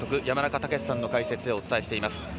山中武司さんの解説でお伝えしています。